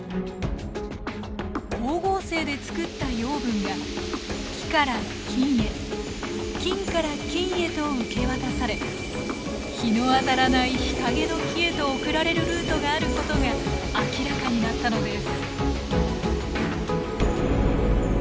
光合成で作った養分が木から菌へ菌から菌へと受け渡され日の当たらない日陰の木へと送られるルートがあることが明らかになったのです。